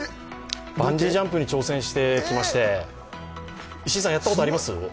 バンジージャンプに挑戦してきまして、石井さん、やったことあります？